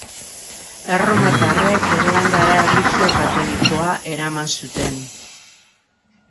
Erromatarrek Irlandara erlijio katolikoa eraman zuten.